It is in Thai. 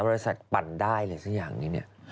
บริษัทปั่นได้เลยสักอย่างนี้เนี่ย